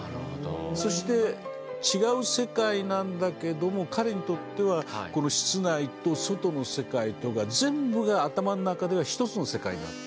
そして違う世界なんだけども彼にとってはこの室内と外の世界とが全部が頭の中では一つの世界になって。